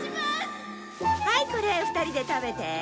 はいこれ２人で食べて。